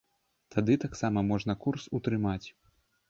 Тады таксама можна курс утрымаць.